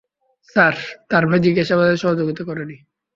Sir, তার ভাই জিজ্ঞাসাবাদে সহযোগিতা করেনি।